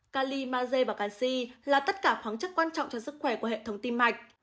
kali maze và canxi là tất cả khoáng chất quan trọng cho sức khỏe của hệ thống tim mạch